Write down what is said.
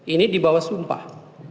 ini dibawah sumpah